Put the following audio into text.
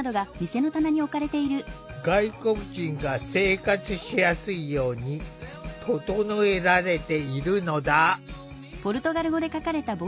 外国人が生活しやすいように整えられているのだ。